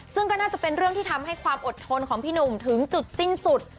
ซึ่งก็น่าจะเป็นเรื่องที่ทำให้ความอดทนของพี่หนุ่มถึงจุดสิ้นสุด